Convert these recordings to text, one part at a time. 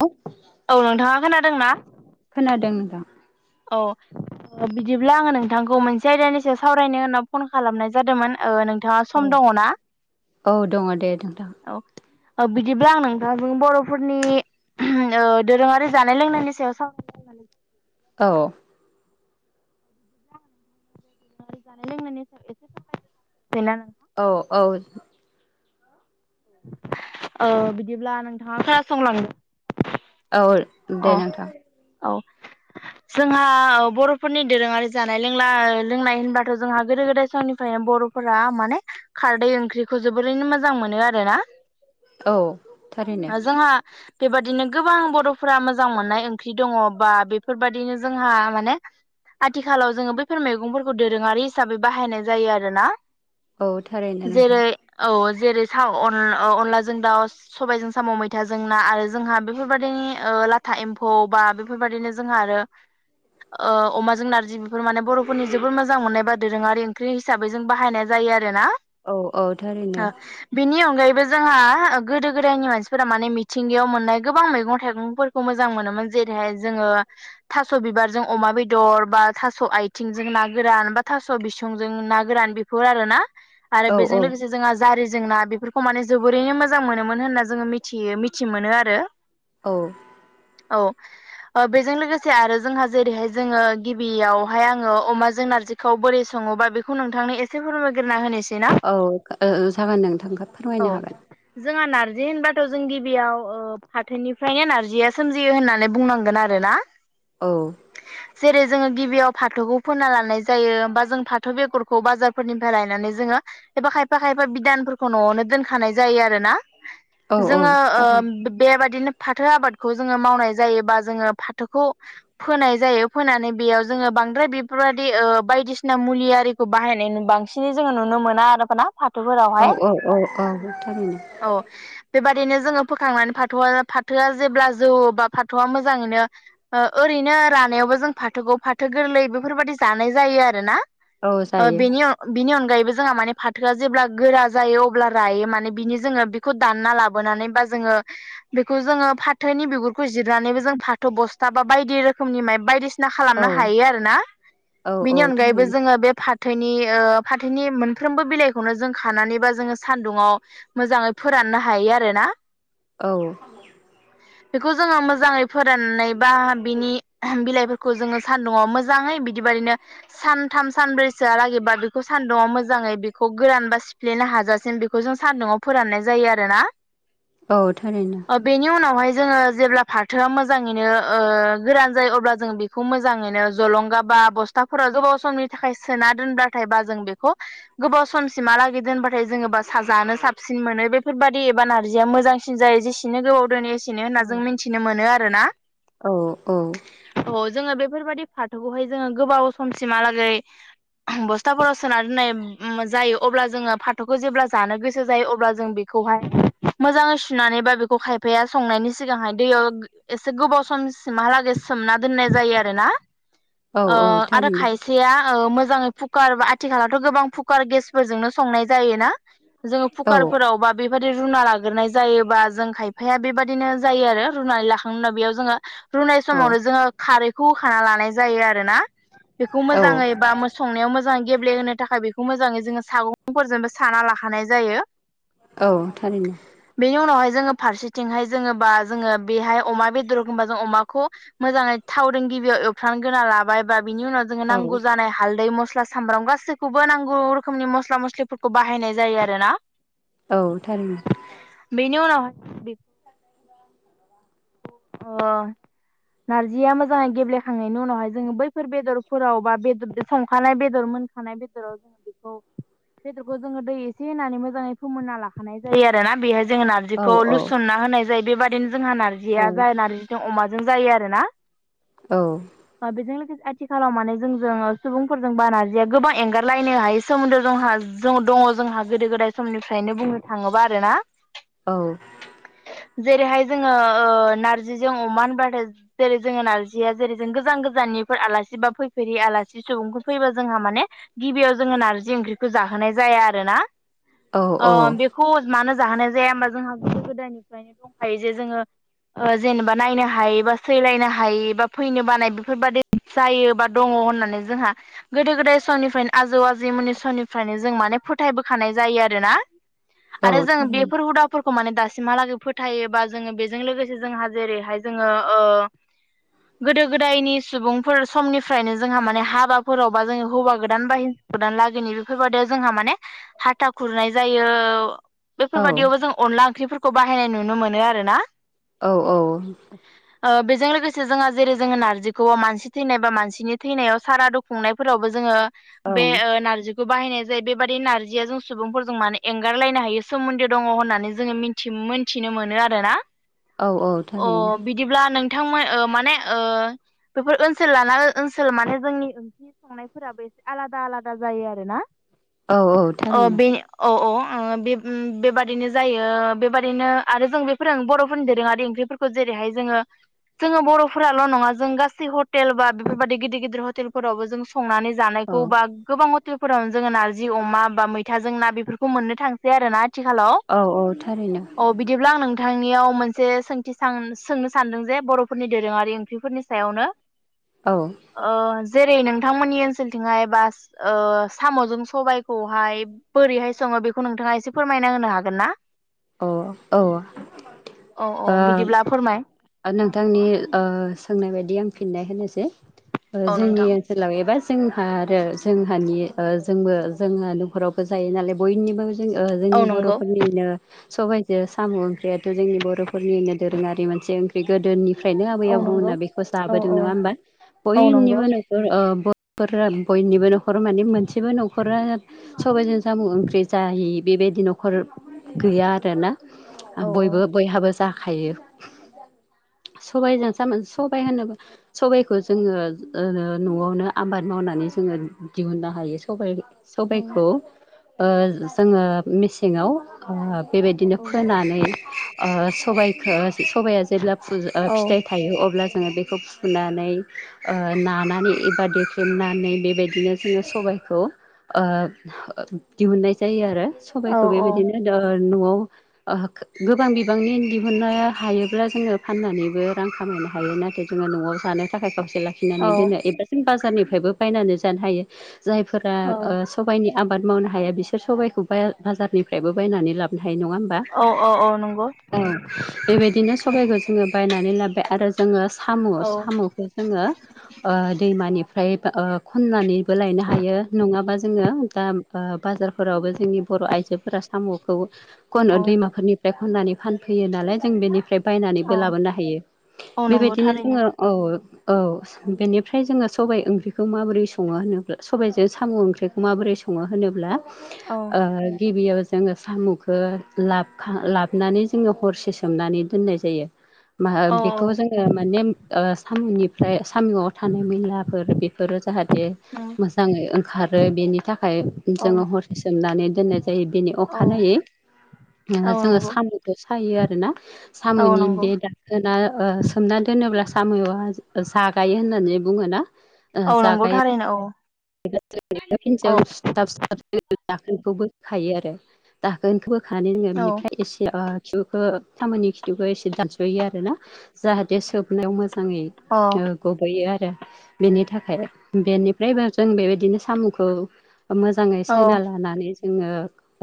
औ। औ नोंथाङा खोनादोंना। खोनादों नोंथां। औ बिदिब्ला आङो नोंथांखौ मोनसे आयदानि सायाव सावरायनो होनना फन खालामनाय जादोंमोन। औ नोंथाङा औ सम दङना। औ दङ दे नोंथां औ औ बिदिब्ला आं नोंथांजों बर'फोरनि ओ दोरोङारि जानाय लोंनायनि सायाव साव औ। दोरोङारि जानाय लोंनायनि सायाव [unintelligible] औ औ। औ बिदिब्ला नोंथाङा खोनासंलां औ। दे अ नोंथां औ। जोंहा बर'फोरनि दोरोङारि जानाय लोंला लोंनाय होनबाथ' जोंहा गोदो गोदाय समनिफ्रायनो बर' फोरा माने खारदै ओंख्रिखौ जोबोरैनो मोजां मोनो आरोना। औ थारैनो जोंहा बेबादिनो गोबां बर' फोरा मोजां मोननाय ओंख्रि दङ बा बेफोरबायदिनो जोंहा माने। आथिखालाव जोङो बैफोर मैगंफोरखौ दोरोङारि हिसाबै बाहायनाय जायो आरोना। औ थारैनो नोंथां जेरै औ जेरै अनलाजों दाउ सबायजों साम' मैथाजों ना आरो जोंहा बेफोरबदिनि लाथा एम्फौ बा बेफोरबादिनो जोंहा आरो। अमाजों नारजि बेफोर माने बर'फोरनि जबोोर मोजां मोननाय बादोर रो आरो ओंख्रि हिसाबै जों बाहायनाय जायो आरो ना। औ औ थारैनो। बिनि अनगायैबो जोंहा गोदो गोदायनि मानसिफोरा माने मिथिंगायाव मोननाय गोबां मैगं थाइगं। फोरखौ मोजां मोनोमोन जेरैहाय जोङो थास बिबारजों अमा बेदर बा थास आ थिंजों ना गोरान बा थास' बिसंजों ना गोरान बेफोर आरो ना आरो औ बेजों लोगोसे जोंहा जारि जेंना बेफोरखौ माने जोबोरैनो मोजां मोनोमोन होनना जोङो मिथियो मिथि मोनो आरो। औ औ बेजों लोगोसे आरो जोंहा जेरैहाय जोङो गिबियावहाय आङो अमाजों नारजि खौ बोरै सङोबा बेखौ नोंथांनो एसे फोरमायग्रोना होनोसै ना औ जागोन नोंथांखौ औ फोरमायनो हागोन। जोंहा नारजि होनबाथ' जों गिबियाव फाथोनिफ्रायनो नारजि। जिया सोमजियो होननानै बुंनांगोन आरो ना। औ। [inaudible] जेरै जोङो गिबियाव फाथौखौ फोना लानाय जायो बा जों फाथो बेगरखौ बाजारफोरनिफ्राय लायनानै जोङो। एबा खायफा खायफा बिदानफोरखौ न'आवनो दोनखानाय जायो आरो ना। औ औ जोङो थारैनो बेबायदिनो फाथो आबाद खौ जोङो मावनाय जायोबा जोङो फाथोखौ फोनाय जायो फोनानै बेयाव जोङो बांद्राय बेफोरबायदि बायदिसिना मुलि आरि बाहायनाय बांसिनै जोङो नुनो मोना आरो ना। औ औ औ औ थैनो। औ बेबादिनो जोङो फोखांनानै फाथोआ फाथोआ जेब्ला जौ बा फाथौआ मोजाङैनो ओरैनो रानायावबो जों फाथोखौ फाथो गोरलै बेफोरबायाददि जानाय जायो आरो ना। औ आ जायो बेनि बिनि अनगायैबो जोंहा माने फाथोआ जेब्ला गोरा जायो अब्ला रायो माने बिनि जोङो दानना लाबोनानै बा जोङो बेखौ जोङो फाथैनि बिगुरखौ जिरनानैबो जों फाथ' बस्था बा बायदि रोखोमनि माइ बायदिसिना औ खालामनो हायो आरोना औ औ बिनि अनगायैबो थारैनो जोङो बे फाथैनि फाथैनि मोनफ्रोमबो बिलाइखौनो जों खानानै बा जोङो सान्दुंङाव मोजाङै फोराननो हायो आरो ना। औ बेखौ जोङो मोजाङै फोराननानै बा बिनि बिलाइफोरखौ जोङो सानदुङाव मोजाङैदि बिदिबायदिनो सानथाम सानब्रैसोआ लागै बेखौ सानदुङा मोजाङै बेखौ गोरान बा सिफ्लेनो हाजासिम बेखौ बेखौ जों सान्दुङआव फोराननाय जायो आरोना। औ थारैनो अ बेनि उनाव बेवहाय जोङो जेब्ला फाथोआ मोजाङैनो गोरान जायो अब्ला जों बेखौ मोजाङैनो जलंगा बा बस्थाफोराव गोबाव समनि थाखाय सोना दोनबाथायबा जों बेखौ गोबाव समसिमहालागै दोनबाथाय जोङो बा स जानो साबसिन मोनो बेफोरबाददि एबा नारजिया मोजां। जायो जेसेनो गोबाव दोनो एसेनो होनना औ जों मिथिनो मोनो आरोना। औ औ अ जोङो बेफोरबाददि फाथौखौहाय जोङो गोबाव समसिमहालागै बस्थाफोराव सोना दोननाय जायो अब्ला जोङो फाथ'खौ जेब्ला जानो गोसो जायो अब्ला जों बे खौहाय मोजाङै सुनानै बा बेखौ खायफाया संनायनि सिगांहाय दैयाव एसे गोबाव सम सिमहालागै सोमना दोन्नाय जायो आरो ना औ आरो थारैनो खायसे खासेया मोजाङै कुकार आथिखालावथ' गोबां कुकार गेसफोरजोंनो संनाय जायोना। जोङो औ कुकारफोरावबा बेबायदि रुना लाग्रोनाय जायोबा जों खायफाया बेबायदि बिदिनो जायो आरो रुनानै लाखांना बेयाव जोङो रुनाय औ समावनो जोङो खारैखौ होखाना लानाय जायो आरोना बेखौ औ मोजाङै बा मो संनायाव मोजाङै गेब्लेहोनो थाखाय बेखौ मोजाङै जोङो सागंफोरजोंबो साना लाखानाय जायो। औ थारैनो बेनि उनावहाय जोङो फारसेथिंहाय जोङो बा जोङो बेहाय अमा बेदर एखमबा जों अमाखौ--। मोजाङै थावजों गिबियाव एवथ गोना लाबायबा बिनि उनाव जोङो औ नांगौ जानाय हालदै मस्ला सामब्राम गासैखौबो नांगौ रोखोमनि मस्ला मस्लिफोरखौ बाहायनाय जायो आरो ना। औ थारैनो। बेनि उनावहाय [unintelligible] अ नारजिया मोजाङै गेब्लेखांनायनि उनावहाय जोङो बैफोर बेदरफोराव बा बेर संखानाय बेदरमोन खानाय बेदराव बेदरखौ जोङो दै एसे होनानै मोजाङै फोमोनना लाखानाय जायो आरोना बेहाय जोङो ना औ जिखौ औ लुसनना होनाय जायो बेबादिनो जोंहा औ नार्जिया जोंहा नारजिजों अमाजों जायो आरो ना। औ बेजों लोगोसे आथिखालाव माने जोंजों सुबुंफोरजों बा नारजिया गोबां एंगारलायनो हायि सोमोन्दो जोंहा जों दङ जोंहा गोदो गोदाय समनिफ्रायनो बुंनो थाङोबा आरोना औ जेरैहाय जोङो नारजिजों अमा होनबाथाय जेरै जोङो नारजिया जेरै जों गोजान गोजाननिफोर आलासि बा फैफेरि आलासि सुबुंखौ फैबा जोंहा माने गिबियाव जोङो नारजि ओंख्रिखौ जाहोनाय जाया आरो ना। औ औ बेखौ मानो जाहोनाय जाया होमबा जोंहा गोदो गोदोनिफ्रायनो दंखायो जे जोङो जेनेबा नायनो हायि बा सैलायनो हायि बा फैनो बानाय बेफोरबायदि जायो बा दङ होननानै जोंहा गोदो गोदाय समनिफ्रायनो आजौ आजैमोननि समनिफ्रायनो जों माने फोथायबोखानाय जायो आरो ना। औ आरो जों थारैनो बेफोर हुदाफोरखौ माने दासिमहालागै फोथायोबा जोङो बेजों लोगोसे जोंहा जेरैहाय जोङो गोदो गोदायनि सुबुंफोर समनिफ्रायनो जोंहा माने हाबाफोरावबा जोङो हौवा गोदान बा हेनजाव गोदान लागोनि बेफोरबादियाव जोंहा माने हाथा खुरनाय जायो। औ बेफोरबायदियावबो जों अनला ओंख्रिफोरखौ बाहायनाय नुनो मोनो आरोना। औ औ बेजों लोगोसे जोंहा जेरै जोङो नारजिखौ मानसि थैनाय बा मानसिनि थैनायाव सारादु खुंनायफोरावबो जोङो बे ओं नारजि खौ बाहायनाय जायो ।बेबादि नारजिया जों सुबुंफोरजों माने एंगारलायनो हायो सोमोन्दो दङ होननानै जोङो मिथि मोनथिनो मोनो आरोना। औ औ थारैनो। अ बिदिब्ला नोंथांमोन माने ओ बेफोर ओनसोल लाना ओनसोल माने जोंनि ओं संनायफोराबो एसे आलादा आलादा जायो आरोना औ औ अ थारैनो बे औ औ बेबादिनो जायो बेबादिनो आरो जों बेफोर बर' दोरोंआरि आरो ओंख्रिफोरखौ जेरैहाय जोङो जोङो बर'फोराल' नङा जों गासै हटेल बा बेफोरबदि गिदिर गिदिर हटेलफोरावबो जों संनानै जानायखौ औ बा गोबां ह टेलफोरावनो जोङो नारजि अमा बा मैथाजों ना बेफोरखौ मोननो थांसै आरो ना आथिखालाव। औ औ थारैनो बिदिब्ला आं नोंथांनियाव मोनसे सोंथि सां सोंनो सानदों जे बर'फोरनि दोरोङारि ओंख्रिफोरनि सायावनो। औ। ओ जेरै नोंथांमोननि ओनसोलथिंहाय बास ओ सामजों सबायाइखौहाय बोरैहाय सङो बेखौ नोंथाङा एसे फोरमायना होनो हागोन ना? अ औ। औ औ ओ बिदिब्ला फोरमाय नोंथांनि ओ सोंनाय बायदि आं फिननाय होनोसै ओ औ जोंनि नोंथां सोलाव एबा जोंहा आरो जोंहानि ओ जोंबो जोंहा नखरावबो जायो नालाय बयनिबो जों ओ औ जोंनि नंगौ बर'फोरनिनो सबाइजो साम' ओंख्रियाथ' जोंनि बर'फोरनिनो दोरोङारि मोनसे ओंख्रि गोदोनि ओफ्रायनो आबै औ नंगौ आबौमोनना बेखौ औ जाबोदों औ नङा होमबा? औ नंगौ बयनिबो न ओ ओ बरफोरा बयनिबो नखर माने मोनसेबो नखरा सबाइजों साम ओंख्रि जायि बेबायदि नखर गैया आरो ना। औ बयबो बैहाबो जाखायो। सबायजों सामोन सबाय होनोबा सबायखौ जोङो ओ नआवनो आबाद मावनानै जोङो दिहुननो हायो सबाय औ सबायखौ ओ जोङो मेसेङाव बेबायदिनो औ फोनानै ओ सबाइखो सबाया जेब्ला फुजा औ ओ फिथाय थायो अब्ला जोङो बेखौ फुनानै ओ नानानै एबा देख्लेमनानै बेबायदिनो जोङो सबायखौ ओ दिहुननाय जायो आरो। औ सबायखौ बेबायदिनो ओ नआव ओ गोबां बिबांनि दिहुननाय हायोब्ला जोङो फाननानैबो रां खामायनो हायो नाथाय जोङो नआव जानो थाखाय खावसे लाखिनानै दोनो एबा बाजारनिफ्रायबो बायनानै जानो हायो। जायफोरा औ ओ स सबाइनि आबाद मावनो हाया बिसोर सबाइखौ बाया बाजारनिफ्रायबो बायनानै लाबोन हायो नङा होन बा? औ औ औ नंगौ ओ बेबायदिनो औ सबायखौ ज जोङो बायनानै लाबाय आरो जोङो साम औ सामखौ जोङो ओ दैमानिफ्राय बा ओ खननानैबो लायनो हायो नङाबा जोङो दा ओ बाजारफोरावबो जोंनि बर आइजोफोरा सामखौ खन दैमाफोरनिफ्राय खननानै फानफैयो नालाय जों बेनिफ्राय बायनानै औ लाबोनो हायो औ नंगौ ।बेबायदिनो थारैनो जोङो ओ औ बेनिफ्राय जोङो सबबाय ओंख्रिखौ माबोरै सङो होनोब्ला सबाइजों साम ओंख्रि माबोरै सङो होनोब्ला औ ओ गिबियाव जोङो सामखो लाबखा लाबनानै जोङो हरसे सोमनानै दोननाय जायो। माहा औ औ बेखौ जों ओ माने ओ सामनिफ्राय सामिआव थानाय मैलाफोर बेफोरो जाहाथे नंगौ मोजाङै ओंखारो बेनि थाखाय औ जोङो हरसे सोमनानै दोननाय जायो बेनि औ अखानायै औ नोङो जोङो नंगौ सामखो सायो आरोना औ सामनि नंगौ बे दाखोना ओ सोमना दोनोब्ला सामआ जागायो होननानै बुङोना? औ नंगौ थारैनो औ। औ जों सुथाबथाब दाखोनखौ बखायो आरो दागोनखौबोखानो नोङो औ बेनिफ्राय एसे ओ खिथुखौ खामानि खिथुखौ एसे दानसयो आरो ना जाहाथे सोबनायाव मोजां मोजाङै अ ओ औ गबैयो आरो बेनि थाखाय। बेनिफ्राय बा जों बेबायदिनो सामखौ मोजाङै सायना औ लानानै जोङो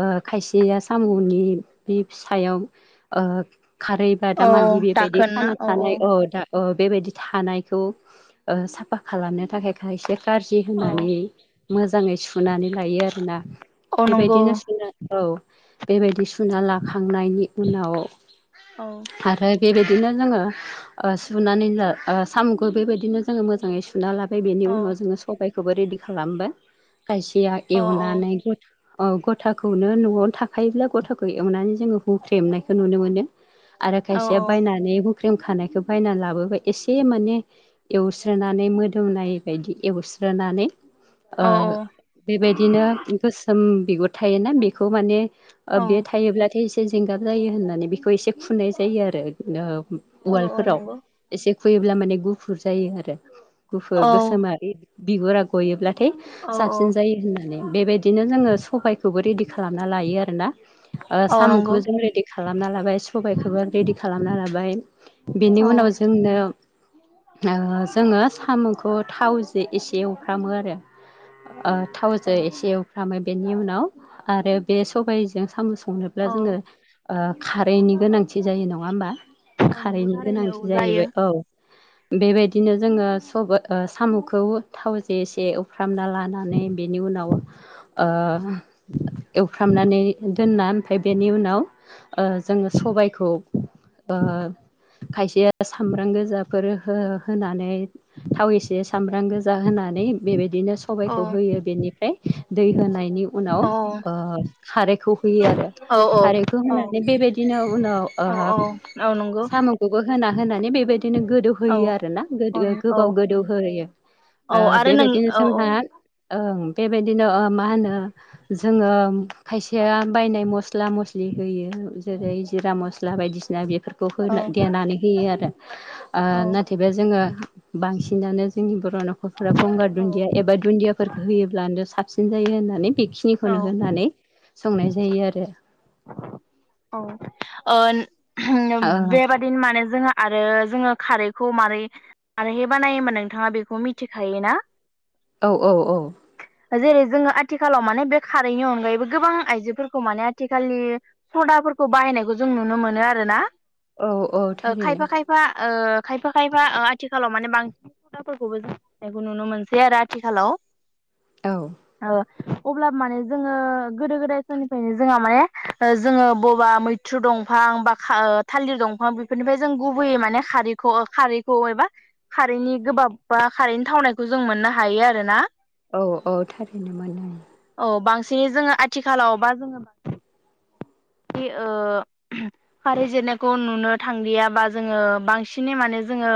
ओ खायसेया सामनि बि फिसायाव ओ खारै बा औ दामालि बेबायदि दाखोन ना खाना थानाय औ दा ओ बेबायदि थानायखौ ओ साफा खालामनो थाखाय खायसे कारज जि औ होनानै मोजाङै सुनानै लायो आरोना औ नंगौ बेबायदिनो सुना औ बेबायदि सुना लाखांनायनि उनाव औ। आरो बेबायदिनो जोङो ओ सुनानै ओ साम'खौ बेबायदिनो जोङो मोजाङै सु सुना लाबाय बेनि औ उनाव जोङो सबायखौबो रेडि खालामबाय। खायसेया औ औ एवनानै औ गथाखौनो न'आवनो थाखायोब्ला गथाखौ एवनानै जोङो हुख्रेमनायखौ नुनो मोनो आरो औ खायसेया बायनानै बुख्रेम खानायखौ बायनानै लाबोबाय एसे माने एवस्रोनानै मोदोमनाय बायदि एवस्रोनानै ओ औ बेबायदिनो गोसोम बिगुर थायोना बेखौ माने औ बे थायोब्लाथाय एसे जेंगाब जायो होननानै बेखौ एसे खुनाय जायो आरो औ उवालफोराव नंगौ एसे खुयोब्ला माने गुफुर जायो आरो गुफुर औ गोसोमा बिगुरा गयोब्लाथाय औ साबसिन जायो होनना माने बेबायदिनो जोङो सबबायखौबो रेडि खालामना लायो आरोना औ नंगौ साम'खौबो जों रेडि खालामना लाबाय सबायखौबो रेडि खालामना लाबाय बिनि औ उनाव जोंनो ओ जोङो साम'खौ थावजों एसे एवफ्रामो आरो ओ औ थावजों एसे एवफ्रामो बेनि उनाव आरो बे सबायजों साम'स संनोब्ला जोङो औ ओ खारैनि गोनांथि जायो नङा होमबा औ नंगौ खारैनि थारैनो औ गोनांथि जायो जाहैबाय औ बेबायदिनो जोङो साम' खौ थाव जेसे एफ्रामना लानानै बेनि उनाव ओ एवफ्रामनानै दोनना ओमफ्राय बेनि उनाव ओ जोङो सबायखौ खायसे सामब्राम गोजाफोर हो होनानै थाव एसे सामब्राम गोजा होनानै बेबायदिनो औ सबबायखौ होयो बेनिफ्राय दै होनायनि उनाव औ ओ खारैखौ होयो आरो औ खारैखौ औ होनानै बेबायदिनो औ औ उनाव औ नंगौ बेबो होना होनानै बेबायदिनो औ गोदौहोयो आरो ना गो औ औ गोबाव गोदौहोयो औ आरो नों बेबायदिनो औ औ जोंहा ओं बेबायदिनो मा होनो जोङो खायसेया बायनाय मस्ला मस्लि होयो जेरै जिरा मस्ला बायदिसिना बेफोरखौ औ औ देनानै होयो आरो औ नाथायब जोङो बांसिनानो जोंनि बर' न'खरफोरा गंगार दुन्दिया औ एबा दुन्दियाफोरखौ होयोब्लानो साबसिन जायो होननानै बेखि सिनिखौनो होनानै संनाय जायो आरो औ ओ आरो बेबादि बिन माने जोङो आरो जोङो खारैखौ मारै आरोहाय बानायोमोनबा नोंथाङा बेखौ मिथिखायोना औ औ औ जेरै जोङो आथिखालाव माने बे खारैनि अनगायैबो गोबां आइजोफोरखौ माने आथिखालनि सदाफोरखौ बाहायनायखौ जों नुनो मोनो आरोना औ औ थारैनो खायफा खायफा खायफा खायफा खायफा आथिखालाव माने बांसिन खुदाफोरखौबो जोंनायखौ नुनो मोनसै आरो आथिखालाव औ अब्ला माने जोङो गोदो गोदाय समनिफ्रायनो जोंहा माने जोङो बबा मैथ्रु दंफां बा थालिर दंफां बेनिफ्राय जों गुबैयै माने खारैखौ खारैखौ एबा खारैनि गोबाब बा खारैनि थावनायखौ जों मोननो हायो आरोना औ औ थारैनो मोनो आ औ बांसिनै जोङो आथिखालाव बा जोङो म बे ओ फारै जिरनायखौ नुनो थांदियाबा जोङो बांसिनै माने जोङो